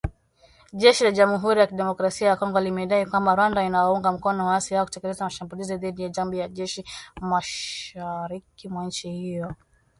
Jeshi la Jamhuri ya Kidemokrasia ya Kongo limedai kwamba Rwanda inawaunga mkono waasi hao kutekeleza mashambulizi dhidi ya kambi za jeshi mashariki mwa nchi hiyo